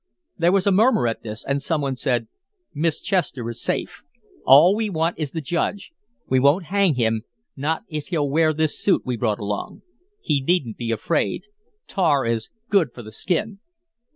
There was a murmur at this, and some one said: "Miss Chester is safe. All we want is the Judge. We won't hang him, not if he'll wear this suit we brought along. He needn't be afraid. Tar is good for the skin."